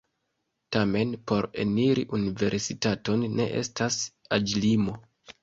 Tamen por eniri universitaton ne estas aĝlimo.